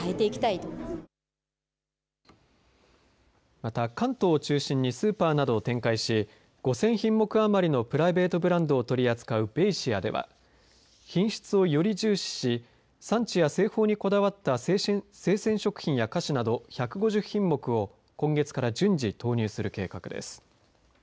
また、関東を中心にスーパーなどを展開し５０００品目余りのプライベートブランドを取り扱うベイシアでは品質をより重視し産地や製法にこだわった生鮮食品や菓子など１５０品目を今月から順次投入する計画です。